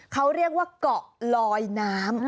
เขาเรียกว่าเกาะลอยน้ำ